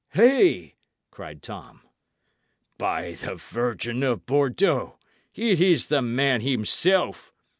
"Hey!" cried Tom. "By the Virgin of Bordeaux, it is the man himself!"